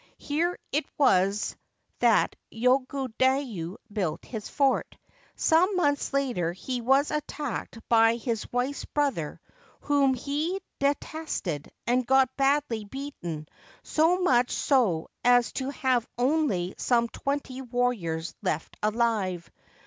Here it was that Yogodayu built his fort. Some months later he was attacked by his wife's brother, whom he de tested, and got badly beaten, so much so as to have only some twenty warriors left alive.